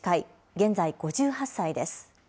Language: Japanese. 現在、５８歳です。